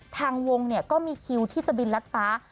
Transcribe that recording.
ทางวงเนี่ยก็มีคิวที่จะบินรัดฟ้า